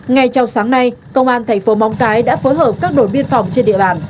ngay trong sáng nay công an thành phố móng cái đã phối hợp các đội biên phòng trên địa bàn